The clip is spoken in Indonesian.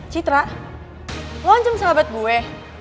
citra lo ancam sahabat gue